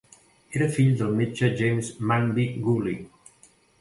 Era fill del metge James Manby Gully.